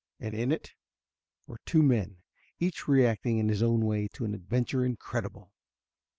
And in it were two men, each reacting in his own way to an adventure incredible.